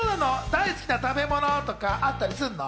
大好きな食べ物とかあったりすんの？